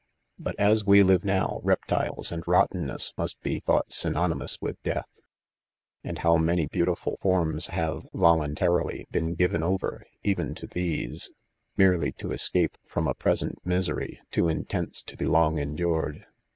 But, as we live now, reptiles and rottenness must he thoughts synonymous with death, And how many beau tiful forms have., voluntarily, been given oyer, even ta these 9 merely to escape from a present misery, too intense to he long endured.